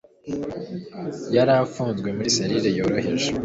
yarafunzwe muri selire yoroheje